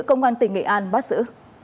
công an tỉnh nghệ an bắt giữ